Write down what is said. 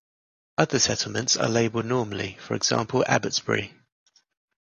Other settlements are labelled normally for example Abbotsbury.